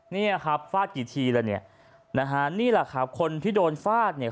เนี่ยครับฟาดกี่ทีละเนี่ยนะฮะนี่แหละครับคนที่โดนฟาดเนี่ย